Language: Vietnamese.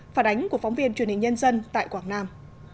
phản ánh của phóng viên truyền hình nhân dân tại quảng nam